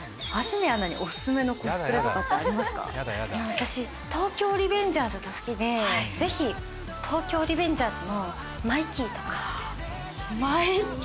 私、「東京リベンジャーズ」って好きで、「東京リベンジャーズ」のマイキーとか。